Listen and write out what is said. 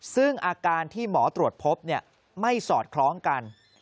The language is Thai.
ซึ่งอาการที่หมอตรวจพบไม่สอดคล้องกัน